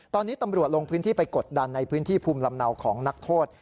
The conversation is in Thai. ตอนนี้ตำรวจลงพื้นที่ไปกดดันในพื้นที่ภูมิลำเนาของนักโทษ